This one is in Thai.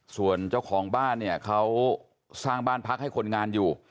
ส่วนเจ้าของบ้านเนี่ยเขาสร้างบ้านพักให้คนงานอยู่